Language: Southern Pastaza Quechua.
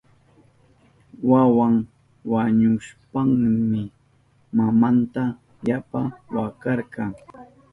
Wawan wañushpanmi mamanta yapa wakarka.